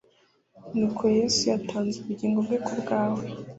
ni uko Yesu yatanze ubugingo bwe ku bwawe,